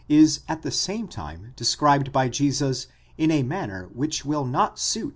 581 is at the same time described by Jesus in a manner which will not suit.